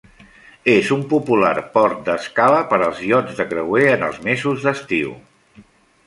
És un popular port d'escala per als iots de creuer en els mesos d'estiu.